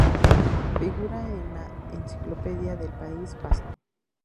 Figura en la Enciclopedia del País Vasco.